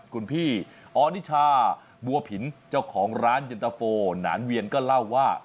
คุณพี่ออนิชาบัวผินเจ้าของร้านเย็นตะโฟหนานเวียนก็เล่าว่า